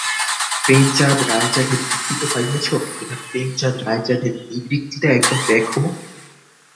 প্রেমচাঁদ-রায়চাঁদের বৃত্তি তো পাইয়াছ, এবার প্রেমচাঁদ-রায়চাঁদের নিবৃত্তিটা একবার দেখো।